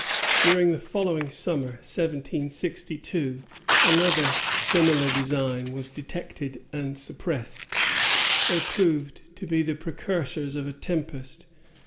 During the following summer, 1762, another similar design was detected and suppressed. They proved to be the precursors of a tempest.